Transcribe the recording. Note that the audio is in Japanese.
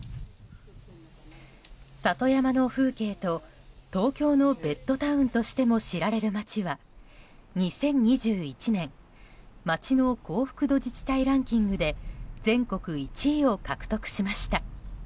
里山の風景と東京のベッドタウンとしても知られる街は２０２１年街の幸福度自治体ランキングで全国１位を獲得しました。